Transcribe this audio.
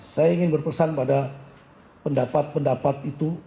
saya ingin berpesan pada pendapat pendapat itu